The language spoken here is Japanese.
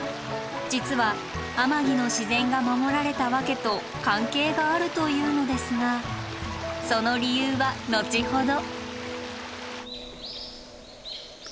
実は天城の自然が守られた訳と関係があるというのですがその理由は後ほど。